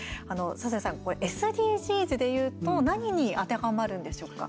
笹谷さん、これＳＤＧｓでいうと何に当てはまるんでしょうか？